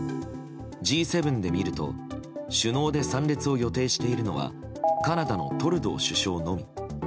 Ｇ７で見ると首脳で参列を予定しているのはカナダのトルドー首相のみ。